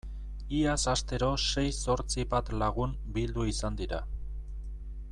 Iaz astero sei zortzi bat lagun bildu izan dira.